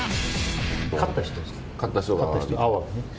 買った人ですね？